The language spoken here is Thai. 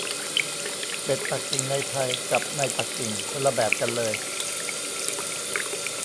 เป็ดปักกิ่งในไทยกับในปักกิ่งคนละแบบกันเลย